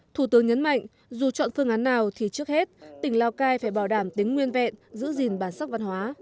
thủ tướng nhấn mạnh dù chọn phương án nào thì trước hết tỉnh lào cai phải bảo đảm tính nguyên vẹn giữ gìn bản sắc văn hóa